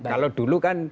kalau dulu kan